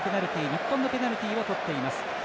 日本のペナルティをとっています。